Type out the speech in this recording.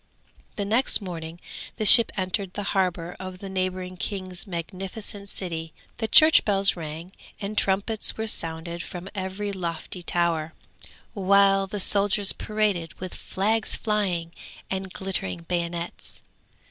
The next morning the ship entered the harbour of the neighbouring king's magnificent city. The church bells rang and trumpets were sounded from every lofty tower, while the soldiers paraded with flags flying and glittering bayonets.